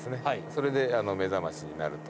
それで目覚ましになると。